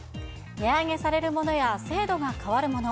値上げされるものや、制度が変わるもの。